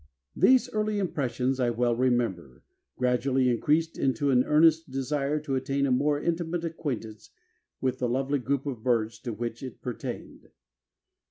These early impressions, I well remember, gradually increased into an earnest desire to attain a more intimate acquaintance with the lovely group of birds to which it pertained.